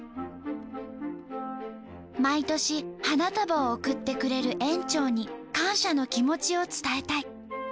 「毎年花束を贈ってくれる園長に感謝の気持ちを伝えたい」。